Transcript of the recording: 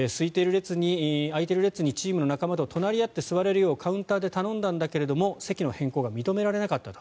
空いている列にチームの仲間と隣り合って座れるようカウンターで頼んだんだけど席の変更が認められなかったと。